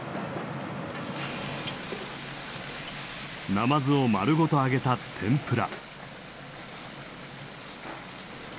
ナマズを丸ごと揚げた天ぷら。